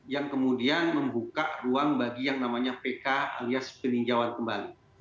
yang kemudian membuka ruang bagi yang namanya pk alias peninjauan kembali